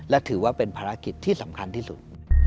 และถือว่าเป็นภารกิจที่สำคัญที่สุด